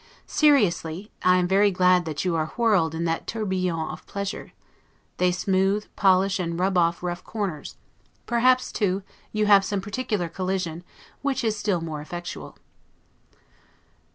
Seriously, I am very glad that you are whirled in that 'tourbillon' of pleasures; they smooth, polish, and rub off rough corners: perhaps too, you have some particular COLLISION, which is still more effectual.